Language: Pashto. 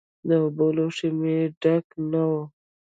د اوبو لوښی مې ډک نه و.